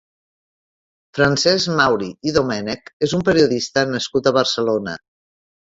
Francesc Mauri i Domènech és un periodista nascut a Barcelona.